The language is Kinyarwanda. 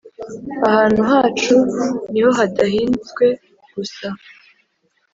ahantu hacu ni ho hadahinzwe gusa.